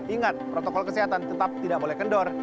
ingat protokol kesehatan tetap tidak boleh kendor